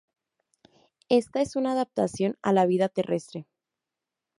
Esta es una adaptación a la vida terrestre.